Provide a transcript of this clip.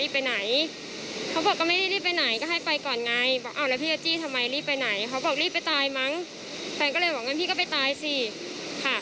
เปิดประตูสองคนแล้วก็กระโดดกระดดถีบ